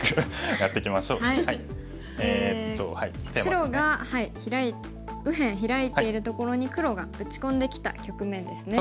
白が右辺ヒラいているところに黒が打ち込んできた局面ですね。